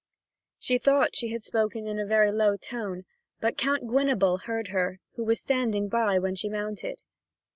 She thought she had spoken in a very low tone; but Count Guinable heard her, who was standing by when she mounted.